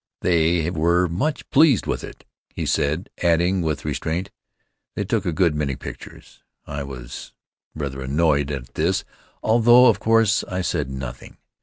"They were much pleased with it," he said, adding, with restraint: "They took a good many pictures. I was rather annoyed at this, although, of course, I said nothing."